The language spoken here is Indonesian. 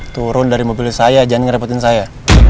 turun dari mobil saya jangan ngerepotin saya